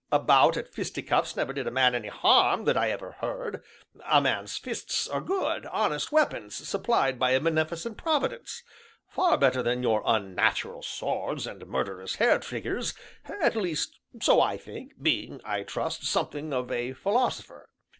A bout at fisticuffs never did a man any harm that I ever heard; a man's fists are good, honest weapons supplied by a beneficent Providence far better than your unnatural swords and murderous hair triggers; at least, so I think, being, I trust, something of a philosopher.